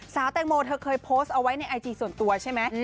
สาวแตงโมเธอเคยโพสต์เอาไว้ในไอจีส่วนตัวใช่ไหม